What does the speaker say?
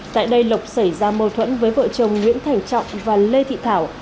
tại đây lộc xảy ra mâu thuẫn với vợ chồng nguyễn thành trọng và lê thị thảo